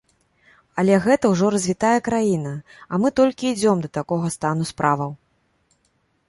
Але гэта ўжо развітая краіна, а мы толькі ідзём да такога стану справаў.